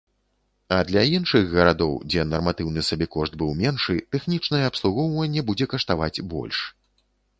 А для іншых гарадоў, дзе нарматыўны сабекошт быў меншы, тэхнічнае абслугоўванне будзе каштаваць больш.